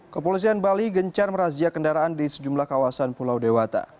kepolisian bali gencar merazia kendaraan di sejumlah kawasan pulau dewata